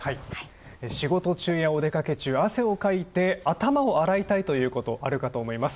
仕事中やお出かけ中汗をかいて、頭を洗いたいということあるかと思います。